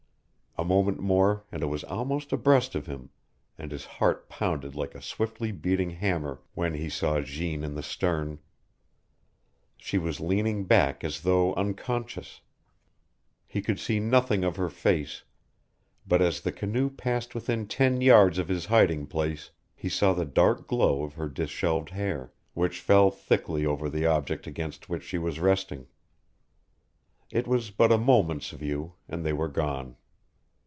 A moment more and it was almost abreast of him, and his heart pounded like a swiftly beating hammer when he saw Jeanne in the stern. She was leaning back as though unconscious. He could see nothing of her face, but as the canoe passed within ten yards of his hiding place he saw the dark glow of her disheveled hair, which fell thickly over the object against which she was resting. It was but a moment's view, and they were gone.